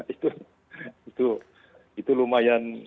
itu itu itu lumayan